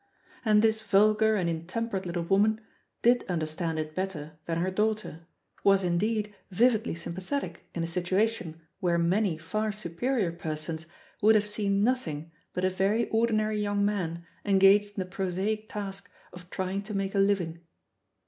And this vulgar and intem perate little woman did imderstand it better than her daughter, was indeed vividly sympathetic in a situation where many far superior persons would have seen nothing but a very ordinary young man engaged in the prosaic task of trying to make a living.